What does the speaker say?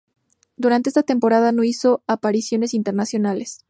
Durante esta temporada no hizo apariciones internacionales.